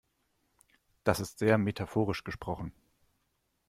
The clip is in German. Das ist sehr metaphorisch gesprochen.